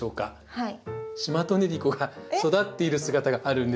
はい。